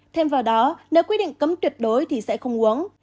thêm vào đó nếu quy định cấm tuyệt đối thì sẽ không uống